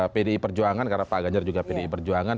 pdi perjuangan karena pak ganjar juga pdi perjuangan